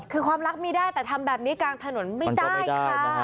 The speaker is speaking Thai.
คือความรักมีได้แต่ทำแบบนี้กลางถนนไม่ได้ค่ะ